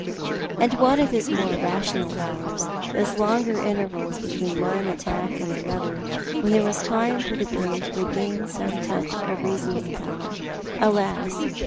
And what of his more rational hours ; those longer intervals between one attack and another, when there was time for the brain to regain some touch of reasoning power? Alas!